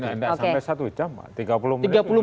nah enggak sampai satu jam pak tiga puluh menit